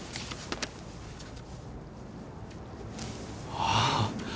ああ。